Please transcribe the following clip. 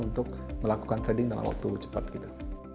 untuk melakukan trading dalam waktu cepat gitu